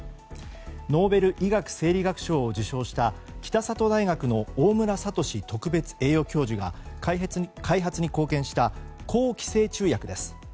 ノーベル医学生理学賞を受賞した北里大学の大村智特別栄誉教授が開発に貢献した抗寄生虫薬です。